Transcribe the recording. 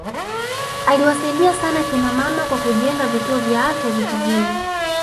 aliwasaidia sana kina mama kwa kujengea vituo vya afya vijijini